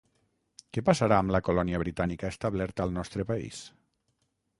Què passarà amb la colònia britànica establerta al nostre país?